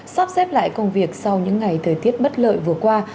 sắp xếp lại công việc sau những ngày thời tiết bất lợi vừa qua